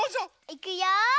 いくよ。